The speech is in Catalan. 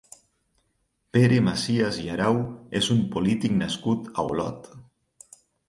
Pere Macias i Arau és un polític nascut a Olot.